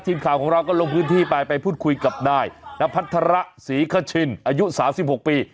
ทีมข่าวของเราก็ลงพื้นที่ไปไปพูดคุยกับนายนพัฒระศรีคชินอายุ๓๖ปี